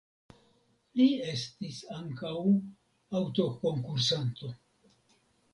Li estis ankaŭ aŭtokonkursanto.